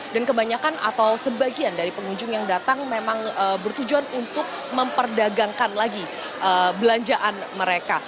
dan kebanyakan atau sebagian dari pengunjung yang datang memang bertujuan untuk memperdagangkan lagi belanjaan mereka